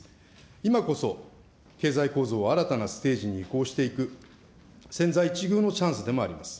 今こそ経済構造を新たなステージに移行していく、千載一遇のチャンスでもあります。